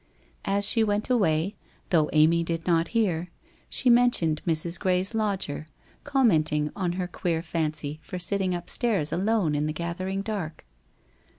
As she went away, though Amy did not hear, she mentioned Mrs. Gray's lodger, commenting on her queer fancy for sitting upstairs alone in the gathering dark?